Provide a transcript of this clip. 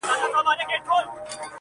په اخبار- په مجله- په راډيو کي-